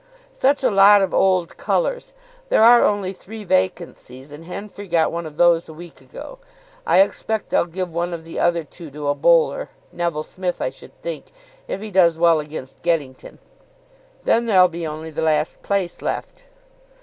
"Such a lot of old colours. There are only three vacancies, and Henfrey got one of those a week ago. I expect they'll give one of the other two to a bowler, Neville Smith, I should think, if he does well against Geddington. Then there'll be only the last place left."